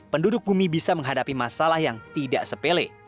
penduduk bumi bisa menghadapi masalah yang tidak sepele